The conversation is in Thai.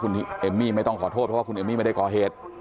คุณเอมมี่ไม่ต้องขอโทษเพราะว่าคุณเอมมี่ไม่ได้ก่อเหตุ